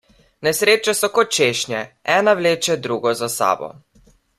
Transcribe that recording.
Nesreče so kot češnje, ena vleče drugo za sabo.